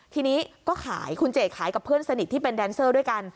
ทีนี้ก็ขายคุณเจ๋ขายกับเพื่อนสนิทที่เป็นแดนเซอร์ด้วยกัน